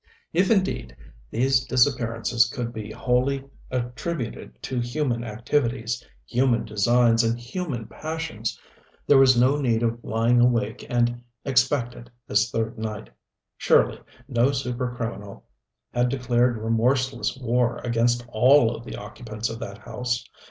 If indeed these disappearances could be wholly attributed to human activities, human designs and human passions, there was no need of lying awake and expectant this third night. Surely no super criminal had declared remorseless war against all of the occupants of that house.